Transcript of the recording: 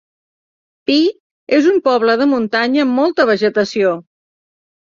Pi és un poble de muntanya amb molta vegetació.